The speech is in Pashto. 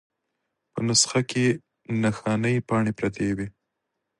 په نسخه کې نښانۍ پاڼې پرتې وې.